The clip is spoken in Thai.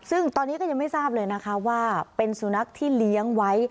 ซึ่งตอนนี้ก็ยังไม่ทราบเลยนะคะว่าเป็นสุนัขที่เลี้ยงไว้